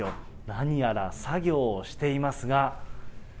何やら作業をしていますが。